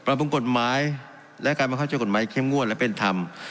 ปรับปรุงกฎหมายและการประเขาช่วยกฎหมายเทรี่ยมงวดและเป็นธรรม